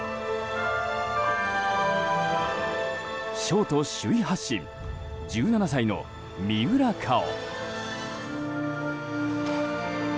ショート首位発進１７歳の三浦佳生。